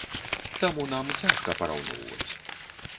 Таму нам цяжка параўноўваць.